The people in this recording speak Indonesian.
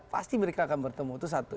pasti mereka akan bertemu itu satu